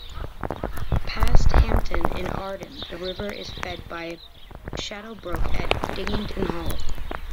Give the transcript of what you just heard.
Past Hampton in Arden the river is fed by "Shadow Brook", at "Diddington Hall".